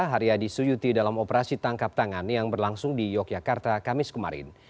haryadi suyuti dalam operasi tangkap tangan yang berlangsung di yogyakarta kamis kemarin